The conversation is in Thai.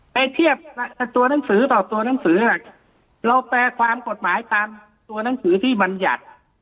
ไปเทียบตัวหนังสือต่อตัวหนังสือเราแปลความกฎหมายตามตัวหนังสือที่บรรยัติ